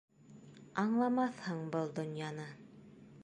Аңламаҫһың был донъяны.